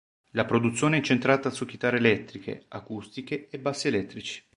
La produzione è incentrata su chitarre elettriche, acustiche e bassi elettrici.